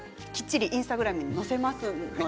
きっちりインスタグラムに載せます。